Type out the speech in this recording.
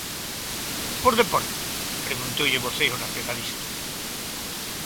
Por deporte?, preguntoulle o voceiro nacionalista.